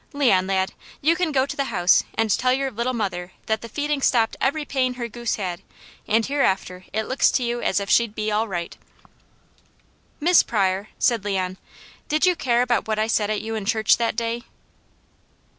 Leon, lad, you can go to the house and tell your little mother that the feeding stopped every pain her goose had, and hereafter it looks to you as if she'd be all right." "Miss Pryor," said Leon, "did you care about what I said at you in church that day?"